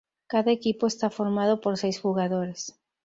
Cada equipo está formado por seis jugadores.